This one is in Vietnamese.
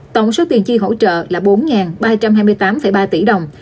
tổng số tiền chi hỗ trợ là bốn ba trăm hai mươi tám ba tỷ đồng